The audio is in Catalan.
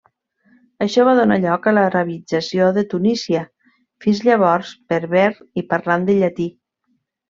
Això va donar lloc a l'arabització de Tunísia fins llavors berber i parlant de llatí.